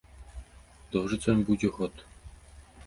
Доўжыцца ён будзе год.